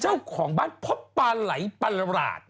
จ้าของบ้านพบปลายสลายปลาหลาด